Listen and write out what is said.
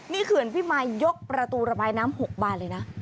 นี่เขื่อนพิมายยกประตูระบายน้ำ๖บานเลยนะ